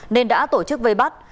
nên đã tổ chức vây bắt